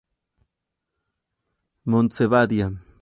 Montse Badia.